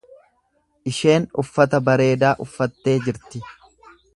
Isheen uffata bareedaa uffattee jirti.